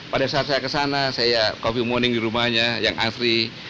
pada saat saya ke sana saya coffee morning di rumahnya yang asli